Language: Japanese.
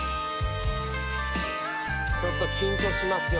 ちょっと緊張しますよ